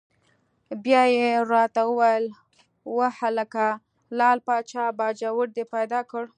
بیا یې را ته وویل: وهلکه لعل پاچا باجوړ دې پیدا کړ؟!